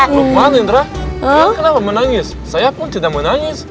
lukman indra kenapa menangis saya pun tidak menangis